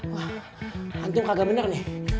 wah antum kagak bener nih